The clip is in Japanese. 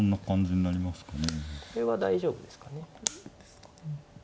これは大丈夫ですかね。